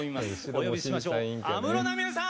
お呼びしましょう安室奈美恵さん！